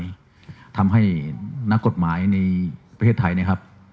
ทำให้นักกฎหมายในประเทศไทยนะครับ